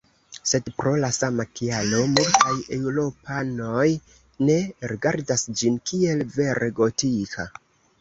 Sed pro la sama kialo, multaj eŭropanoj ne rigardas ĝin kiel vere gotika.